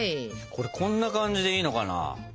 これこんな感じでいいのかな？